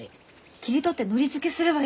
切り取ってのり付けすればいいんですね？